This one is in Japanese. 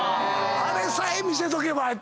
あれさえ見せとけばやった。